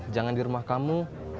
jangan di rumah kamu